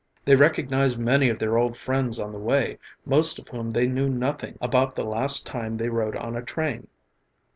They recognized many of their old friends on the way, most of whom they knew nothing about the last time they rode on a train.